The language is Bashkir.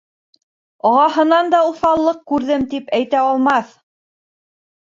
Ағаһынан да уҫаллыҡ күрҙем тип әйтә алмаҫ.